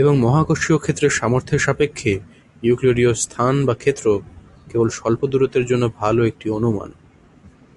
এবং মহাকর্ষীয় ক্ষেত্রের সামর্থ্যের সাপেক্ষে ইউক্লিডীয় স্থান বা ক্ষেত্র কেবল স্বল্প দূরত্বের জন্য ভাল একটি অনুমান।